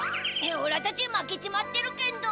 おらたち負けちまってるけんど。